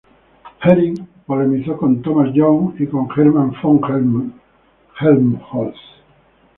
Hering polemizó con Thomas Young y con Hermann von Helmholtz.